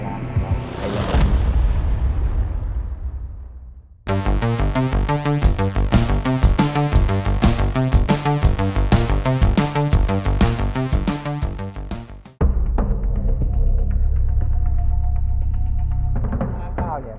ก็ล้างกับไทยอย่างนี้